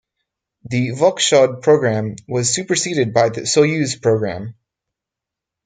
The Voskhod programme was superseded by the Soyuz programme.